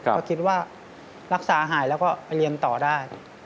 ก็คิดว่ารักษาหายแล้วก็ไปเรียนต่อได้